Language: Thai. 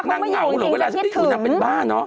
เงาเหรอเวลาฉันได้อยู่นางเป็นบ้าเนอะ